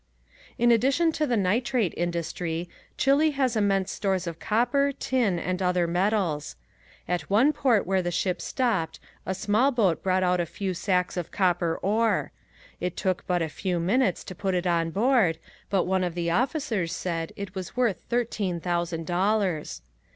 In addition to the nitrate industry, Chile has immense stores of copper, tin and other metals. At one port where the ship stopped a small boat brought out a few sacks of copper ore. It took but a few minutes to put it on board but one of the officers said it was worth thirteen thousand dollars.